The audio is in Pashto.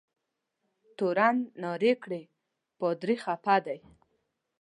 تورن نارې کړې پادري خفه دی.